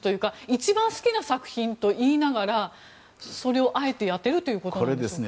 一番好きな作品と言いながらそれをあえてやっているということですか。